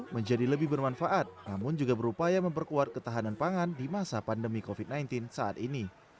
menjadi lebih bermanfaat namun juga berupaya memperkuat ketahanan pangan di masa pandemi covid sembilan belas saat ini